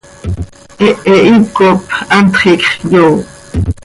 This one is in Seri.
Hehe hipcop hantx iicx yoop.